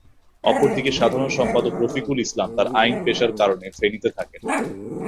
অপরদিকে সাধারণ সম্পাদক রফিকুল ইসলাম তাঁর আইন পেশার কারণে ফেনীতে থাকেন।